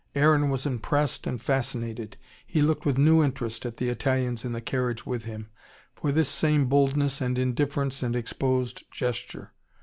Aaron was impressed and fascinated. He looked with new interest at the Italians in the carriage with him for this same boldness and indifference and exposed gesture.